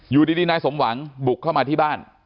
อยู่ดีนายสมหวังบุกเข้ามาที่บ้าน